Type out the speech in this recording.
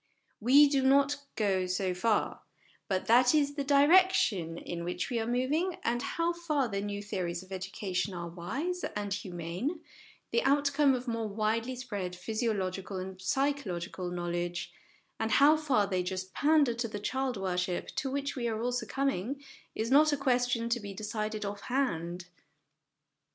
We do not go so far, but that is the direction in which we are moving ; and how far the new theories of education are wise and 8 HOME EDUCATION humane, the outcome of more widely spread physio logical and psychological knowledge, and how far they just pander to the child worship to which we are all succumbing, is not a question to be decided off hand.